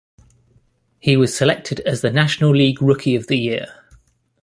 He was selected as the National League Rookie of the Year.